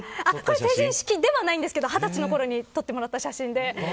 成人式じゃないんですけど２０歳のころに撮った写真で。